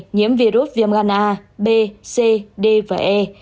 nhiễm virus viêm gan a b c d và e